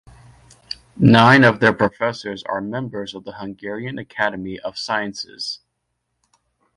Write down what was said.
Nine of their professors are members of the Hungarian Academy of Sciences.